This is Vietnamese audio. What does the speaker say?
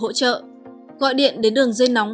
hỗ trợ gọi điện đến đường dây nóng